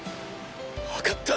わ分かった！